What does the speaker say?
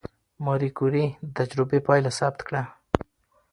ماري کوري د تجربې پایله ثبت کړه.